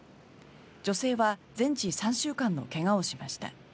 女性は全治３週間の怪我をしました。